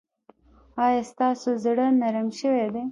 ایا ستاسو زړه نرم شوی دی؟